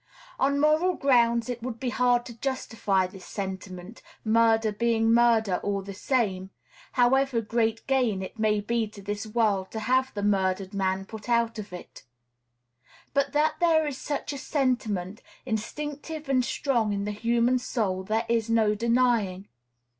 On moral grounds it would be hard to justify this sentiment, murder being murder all the same, however great gain it may be to this world to have the murdered man put out of it; but that there is such a sentiment, instinctive and strong in the human soul, there is no denying.